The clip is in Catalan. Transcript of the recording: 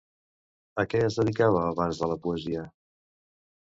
A què es dedicava abans de la poesia?